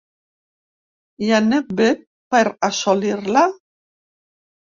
I anem bé per assolir-la?